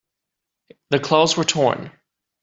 The clothes were torn.